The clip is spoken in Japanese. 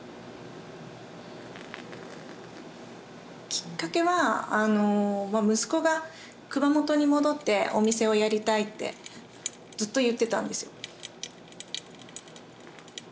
きっかけは息子が熊本に戻ってお店をやりたいってずっと言ってたんですよ。